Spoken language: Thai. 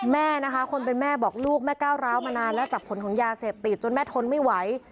แม่นะคะคนเป็นแม่บอกลูกแม่ก้าวร้าวมานานแล้วจับผลของยาเสพติดจนแม่ทนไม่ไหว